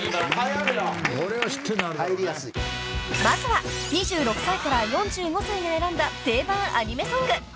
［まずは２６歳から４５歳が選んだ定番アニメソング］